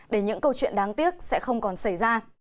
để những câu chuyện đáng tiếc sẽ không còn xảy ra